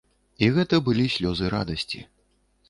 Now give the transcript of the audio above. І гэта былі слёзы радасці.